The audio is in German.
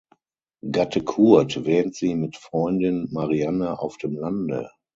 Gatte Kurt wähnt sie mit Freundin Marianne auf dem Lande.